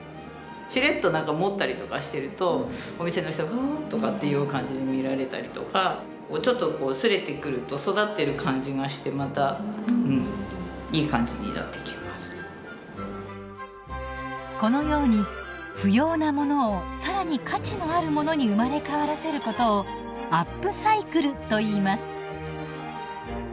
しれっと持ったりとかしてるとお店の人が「あ」とかっていう感じで見られたりとかちょっとこう擦れてくるとこのように不要なものを更に価値のあるものに生まれ変わらせることをアップサイクルといいます。